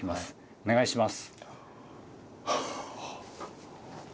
お願いします。